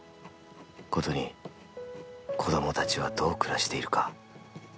ことに子どもたちはどう暮らしているか。